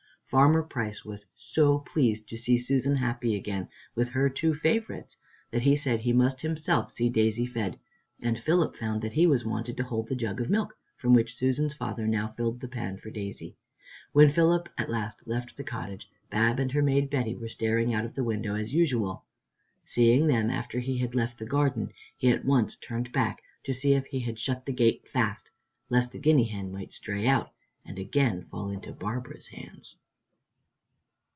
Farmer Price was so pleased to see Susan happy again with her two favorites, that he said he must himself see Daisy fed, and Philip found that he was wanted to hold the jug of milk, from which Susan's father now filled the pan for Daisy. When Philip at last left the cottage, Bab and her maid Betty were staring out of the window as usual. Seeing them after he had left the garden, he at once turned back to see if he had shut the gate fast, lest the guinea hen might stray out and again fall into Barbara's hands.